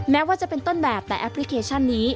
แม้ว่าจะเป็นต้นแบบแต่แอปพลิเคชันนี้